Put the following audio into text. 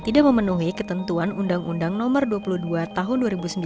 tidak memenuhi ketentuan undang undang nomor dua puluh dua tahun dua ribu sembilan